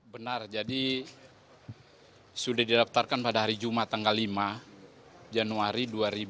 benar jadi sudah didaptarkan pada hari jumat tanggal lima januari dua ribu delapan belas